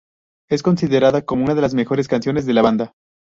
Es considerada como una de las mejores canciones de la banda.